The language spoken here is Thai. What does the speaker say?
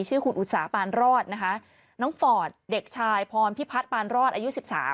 ชื่อคุณอุตสาปานรอดนะคะน้องฟอร์ดเด็กชายพรพิพัฒน์ปานรอดอายุ๑๓